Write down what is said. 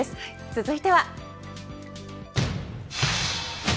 続いては。